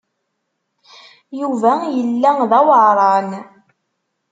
Yuba yella d aweɛṛan.